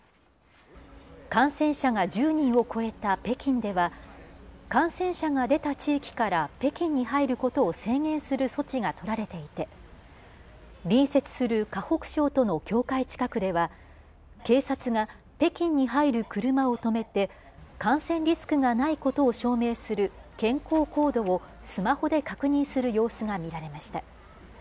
感染者が１０人を超えた北京では、感染者が出た地域から北京に入ることを制限する措置が取られていて、隣接する河北省との境界近くでは、警察が北京に入る車を止めて、感染リスクがないことを証明する健康コードを、スマホで確認する様子が見られました。